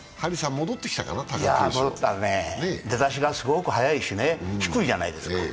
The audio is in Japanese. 戻ったね、出だしがすごく早いしね、低いじゃないですか。